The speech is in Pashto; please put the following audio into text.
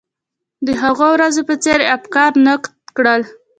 د هغو ورځو په څېر یې افکار نقد کړل.